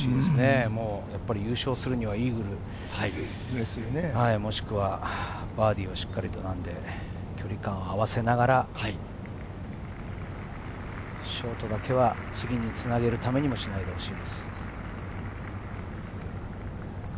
これはもう優勝するにはイーグル、もしくはバーディーをしっかり距離感を合わせながら、ショートだけは次に繋げるためにもしないでほしいです。